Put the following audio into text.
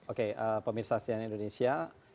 oke pemirsa sian indonesia